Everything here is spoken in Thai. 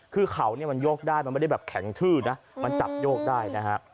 คือเขาเนี่ยมันโยกได้มันไม่ได้แบบแข็งทื้อนะมันจับโยกได้นะฮะ